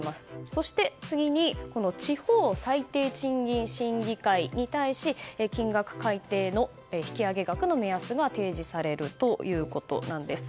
そして、次に地方最低賃金審議会に対し金額が改定の引き上げ額の目安が提示されるということです。